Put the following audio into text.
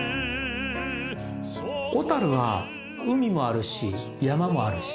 小樽は海もあるし山もあるし